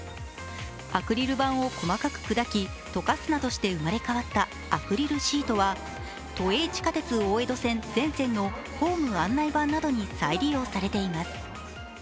アクリル板を細かく砕き、溶かすなどして生まれ変わったアクリルシートは都営地下鉄大江戸線全線のホームの案内板などに再利用されています。